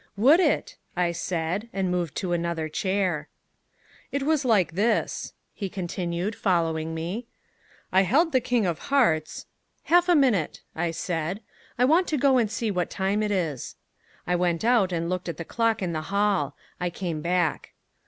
"Would it?" I said, and moved to another chair. "It was like this," he continued, following me: "I held the king of hearts " "Half a minute," I said; "I want to go and see what time it is." I went out and looked at the clock in the hall. I came back.